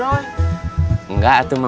jangan lupa peraturan